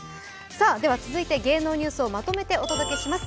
続いて芸能ニュースをまとめてお届けします。